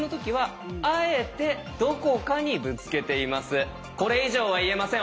けどこれ以上は言えません！